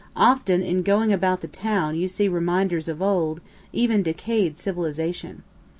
Often in going about the town you see reminders of old, even decay'd civilization.